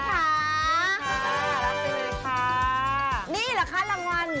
นี่แรกใช่ไหมค่ะนี่หรอคะรางวัล